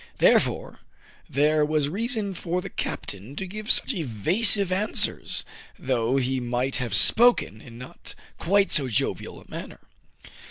Therefore there was reason for the captain to give such evasive answers, though he might have spoken in not quite so jovial a manner.